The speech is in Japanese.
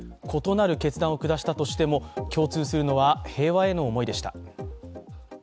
異なる決断を下したとしても、共通するのは平和への思いでした。